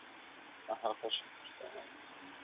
نهار خوښ یم په ښکار نه ځم د چنګښو,